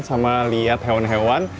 sama lihat hewan hewan